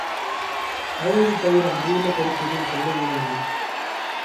அழுவதைத் தவிர அறிவுள்ள கருத்து எதுவும் சொல்ல இயலவில்லை.